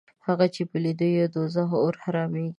هغه چې په لیدو یې د دوزخ اور حرامېږي